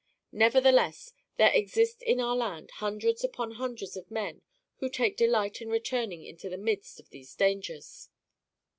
Nevertheless, there exist in our land hundreds upon hundreds of men who take delight in returning into the midst of these dangers.